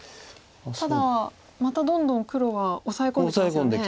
ただまたどんどん黒がオサエ込んできますよね。